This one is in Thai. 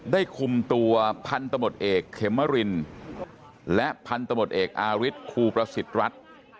ได้คุมตัวพันธุ์ตำรวจเอกเขมรินและพันธุ์ตำรวจเอกอาริสครูประสิทธิ์รัฐ